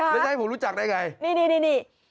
ได้ให้ผมรู้จักได้ไงนี่